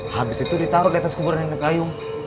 habis itu ditaruh di atas kuburan nenek gayung